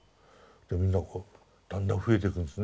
でみんなだんだん増えていくんですね。